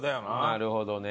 なるほどね。